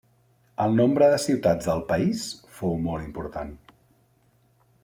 El nombre de ciutats del país fou molt important.